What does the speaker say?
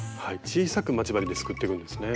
小さく待ち針ですくっていくんですね。